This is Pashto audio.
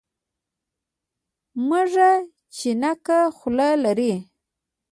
مږه چينګه خوله لري.